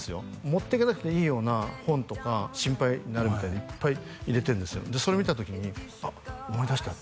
持っていかなくていいような本とか心配になるみたいでいっぱい入れてるんですよでそれ見た時に「あっ思い出した」